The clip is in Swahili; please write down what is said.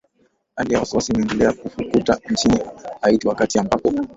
hali ya wasiwasi imeendelea kufukuta nchini haiti wakati ambapo